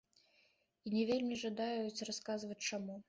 І не вельмі жадаюць расказваць, чаму.